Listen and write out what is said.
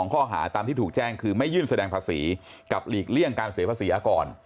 ข้อหาตามที่ถูกแจ้งคือไม่ยื่นแสดงภาษีกับหลีกเลี่ยงการเสียภาษีก่อน